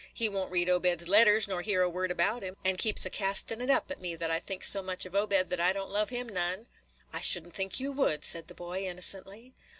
He won't read Obed's letters, nor hear a word about him, and keeps a castin' it up at me that I think so much of Obed that I don't love him none." "I should n't think you would," said the boy, innocently.